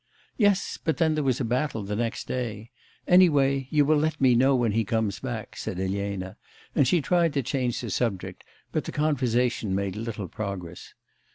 'Yes; but then there was a battle next day. Any way you will let me know when he comes back,' said Elena, and she tried to change the subject, but the conversation made little progress.